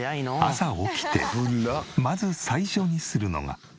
朝起きてまず最初にするのが。